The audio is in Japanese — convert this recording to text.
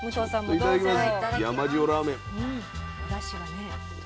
はいいただきます。